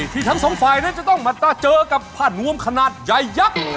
ทั้งสองฝ่ายนั้นจะต้องมาเจอกับผ้านวมขนาดใหญ่ยักษ์